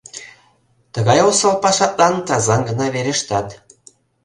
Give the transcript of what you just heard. Тыгай осал пашатлан тазан гына верештат.